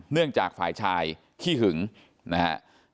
เนื่องจากฝ่ายชายขี้หึงนะครับ